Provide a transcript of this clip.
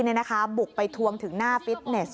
ในนะคะบุกไปทวงถึงหน้าฟิตเนส